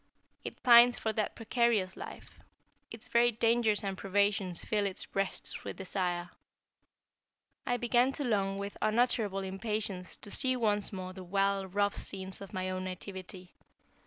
It pines for that precarious life; its very dangers and privations fill its breast with desire. I began to long with unutterable impatience to see once more the wild, rough scenes of my own nativity.